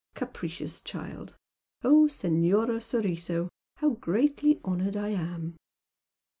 Capricious child! Oh Senora Soriso, how greatly honoured I am!"